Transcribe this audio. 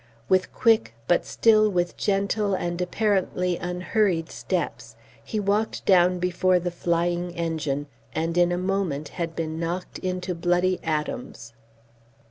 With quick, but still with gentle and apparently unhurried steps, he walked down before the flying engine and in a moment had been knocked into bloody atoms.